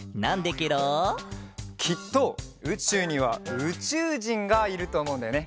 きっとうちゅうにはうちゅうじんがいるとおもうんだよね。